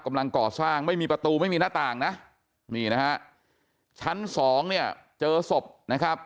กำลังก่อสร้างไม่มีประตูไม่มีหน้าต่างนะนี่นะฮะชั้นสองเนี่ยเจอศพนะครับ